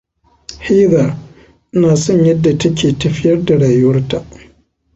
Heather na son yadda ta ke tafiyar da rayuwarta.